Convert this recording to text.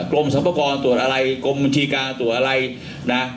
กรมสรรพากรตรวจอะไรกรมบัญชีการตรวจอะไรนะ